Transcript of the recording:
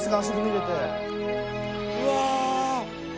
うわ。